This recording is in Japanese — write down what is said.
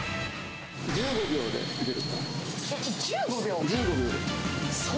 １５秒でゆでる。